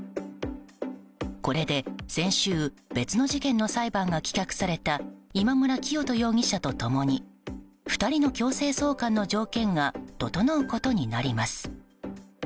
これで、先週別の事件の裁判が棄却された今村磨人容疑者と共に２人の強制送還の条件が整うことになります。